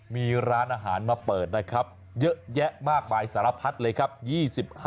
มีร้านอาหารมาเปิดนะครับเยอะแยะมากมายสารพัดเลยครับ